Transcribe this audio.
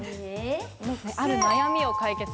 ある悩みを解決。